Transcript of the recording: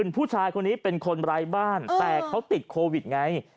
ผู้ชายคนนี้เป็นคนไร้บ้านแต่เขาติดโควิดไง